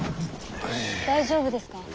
大丈夫ですか？